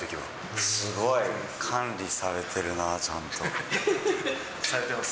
すごい、管理されてるなぁ、されてます。